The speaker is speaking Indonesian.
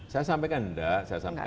saya sampaikan tidak